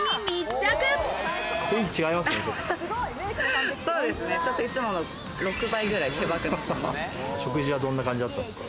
ちょっと、いつもの６倍くら食事はどんな感じだったんですか？